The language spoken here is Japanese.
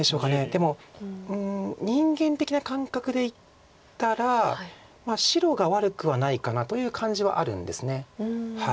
でも人間的な感覚でいったらまあ白が悪くはないかなという感じはあるんです。